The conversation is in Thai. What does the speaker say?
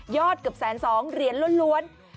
ยอดเกือบแสน๒เหรียญรวด